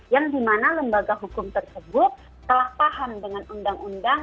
yang dimana lembaga hukum tersebut telah paham dengan undang undang